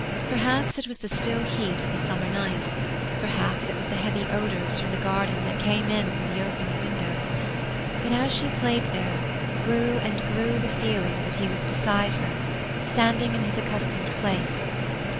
Perhaps it was the still heat of the summer night, perhaps it was the heavy odors from the garden that came in through the open windows; but as she played there grew and grew the feeling that he was there, beside her, standing in his accustomed place.